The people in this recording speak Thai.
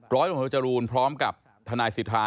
ร้อยหลวงโทจรูลพร้อมกับธนายสิทธา